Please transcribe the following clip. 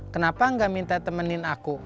kenapa nggak minta temenin aku